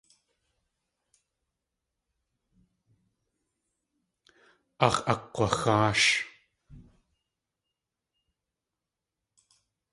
Aax̲ akg̲waxáash.